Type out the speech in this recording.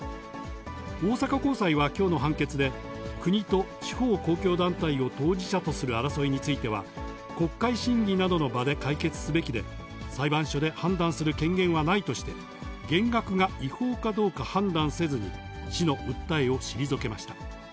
大阪高裁はきょうの判決で、国と地方公共団体を当事者とする争いについては、国会審議などの場で解決すべきで、裁判所で判断する権限はないとして、減額が違法かどうか判断せずに、市の訴えを退けました。